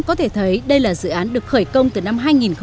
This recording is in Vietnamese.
có thể thấy đây là dự án được khởi công từ năm hai nghìn một mươi